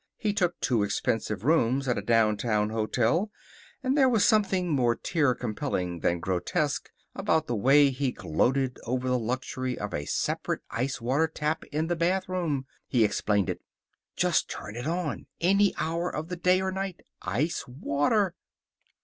He took two expensive rooms at a downtown hotel, and there was something more tear compelling than grotesque about the way he gloated over the luxury of a separate ice water tap in the bathroom. He explained it. "Just turn it on. Any hour of the day or night. Ice water!"